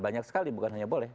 banyak sekali bukan hanya boleh